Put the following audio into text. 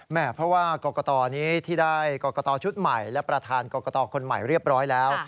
เพราะว่ากรกตนี้ที่ได้กรกตชุดใหม่และประธานกรกตคนใหม่เรียบร้อยแล้ว